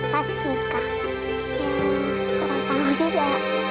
pas nikah kurang tau juga